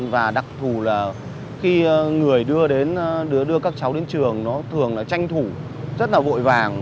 và đặc thù là khi người đưa đến đưa các cháu đến trường nó thường là tranh thủ rất là vội vàng